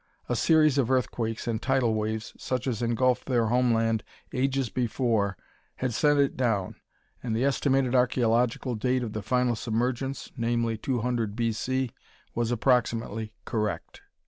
A series of earthquakes and tidal waves such as engulfed their homeland ages before had sent it down, and the estimated archaeological date of the final submergence namely, 200 B. C. was approximately correct.